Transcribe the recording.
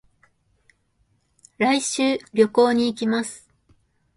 来週、旅行に行きます。